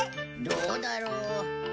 どうだろう。